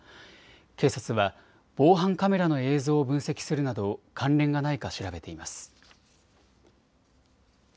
警察は防犯カメラの映像を分析するなど関連がないか調べています。